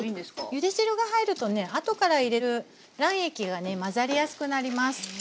ゆで汁が入るとね後から入れる卵液が混ざりやすくなります。